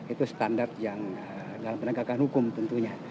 itu standar yang dalam penegakan hukum tentunya